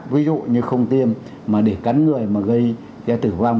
ví dụ như không tiêm mà để cắn người mà gây ra tử vong